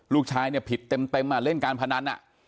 ลูกชายเนี่ยผิดเต็มเล่นการพนัน